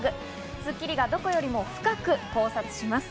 『スッキリ』がどこよりも早く考察します。